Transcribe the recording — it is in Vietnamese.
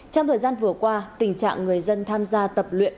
trong thời gian vừa qua tình trạng người dân tham gia tập luyện